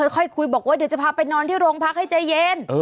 ค่อยคุยบอกว่าเดี๋ยวจะพาไปนอนที่โรงพักให้ใจเย็น